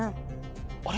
あれ？